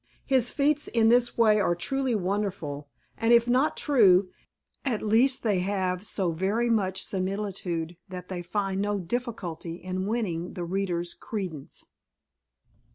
His feats in this way are truly wonderful, and, if not true, at least they have so very much similitude that they find no difficulty in winning the reader's credence.